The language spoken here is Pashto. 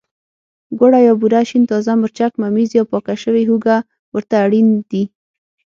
ګوړه یا بوره، شین تازه مرچک، ممیز او پاکه شوې هوګه ورته اړین دي.